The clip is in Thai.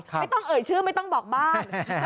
ไม่ต้องเอ่ยชื่อไม่ต้องบอกบ้าน